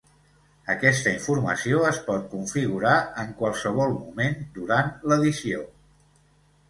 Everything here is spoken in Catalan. Aquesta informació es pot configurar en qualsevol moment durant l'edició.